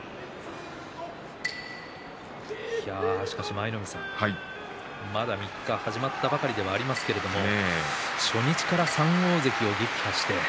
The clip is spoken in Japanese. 舞の海さん、まだ３日始まったばかりではありますけれども初日から３大関を撃破していく。